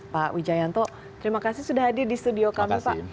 pak wijayanto terima kasih sudah hadir di studio kami pak